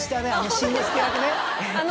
進之助役ね。